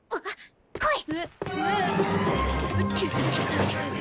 来い！